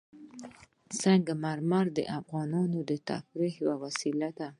سنگ مرمر د افغانانو د تفریح یوه وسیله ده.